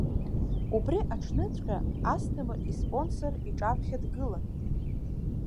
Убри аҽныҵәҟьа Асҭамыр испонсор иҿаԥхьа дгылан.